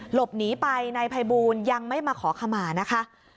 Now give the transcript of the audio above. หลบหนีไปนายภัยบูลยังไม่มาขอขมานะคะ